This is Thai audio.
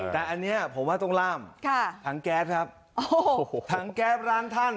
แต่อันนี้ผมว่าต้องล่ามถังแก๊สครับโอ้โหถังแก๊สร้านท่าน